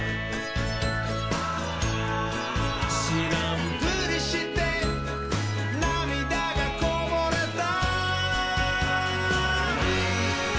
「しらんぷりしてなみだがこぼれた」